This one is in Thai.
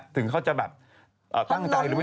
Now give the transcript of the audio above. ถึงเขาจะแบบตั้งใจอะไรก็แล้วแต่